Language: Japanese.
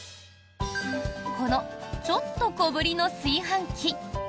このちょっと小ぶりの炊飯器。